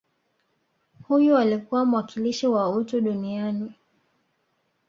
Huyu alikuwa mwakilishi wa utu duniani